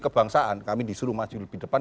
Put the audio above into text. kebangsaan kami disuruh maju lebih depan